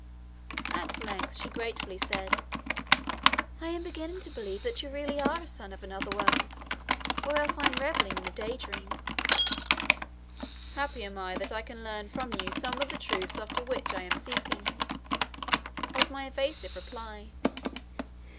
At length she gratefully said: "I am beginning to believe that you are really a son of another world, or else I am reveling in a day dream." "Happy am I that I can learn from you some of the truths after which I am seeking," was my evasive reply.